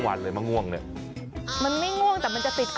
มันไม่ง่วงแต่มันจะติดคอ